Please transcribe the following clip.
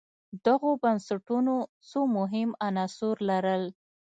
دغو بنسټونو څو مهم عناصر لرل.